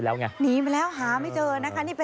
เราไปจากหน้า